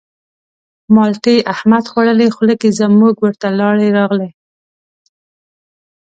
مالټې احمد خوړلې خوله کې زموږ ورته لاړې راغلې.